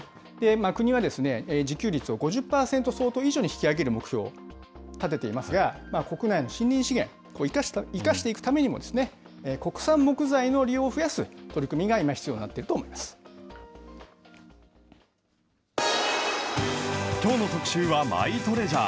国は、自給率を５０％相当以上に引き上げる目標を立てていますが、国内の森林資源を生かしていくためにも、国産木材の利用を増やす取り組みが今、きょうの特集は、マイトレジャー。